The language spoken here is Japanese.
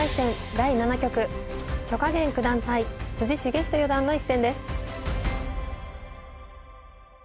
第７局許家元九段対篤仁四段の一戦です。